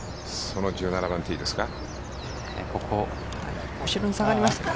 その１７番、ティーですか？